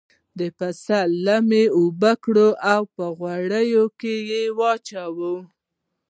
د پسه لم یې اوبه کړل او په غوړیو کې یې واچول.